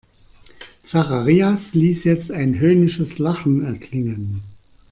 Zacharias ließ jetzt ein höhnisches Lachen erklingen.